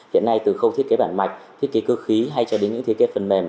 hiện nay từ khâu thiết kế bản mạch thiết kế cơ khí hay cho đến những thiết kế phần mềm